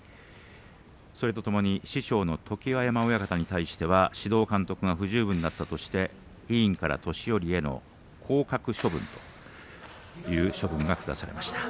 それとともに師匠の常盤山親方に対しては指導監督が不十分ということで委員から年寄への降格処分という勝負が下されました。